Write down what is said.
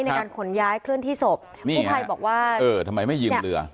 ในการขนย้ายเคลื่อนที่ศพผู้ภัยบอกว่าเออทำไมไม่ยิงเรือ